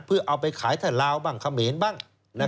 เพื่อเอาไปขายถ้าลาวบ้างเขมรบ้าง